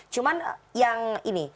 cuman yang ini